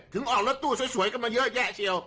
ออกรถตู้สวยกันมาเยอะแยะเชียว